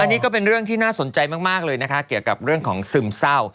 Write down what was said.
อันนี้ก็เป็นเรื่องที่น่าสนใจมากเลยนะคะเกี่ยวกับเรื่องของซึมเศร้า